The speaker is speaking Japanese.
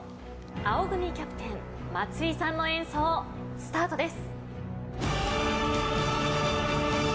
青組キャプテン松井さんの演奏スタートです。